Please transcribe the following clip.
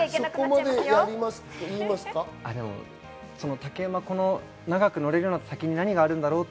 竹馬、長く乗れるようになった先に何があるんだろうって。